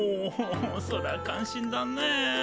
それは感心だね。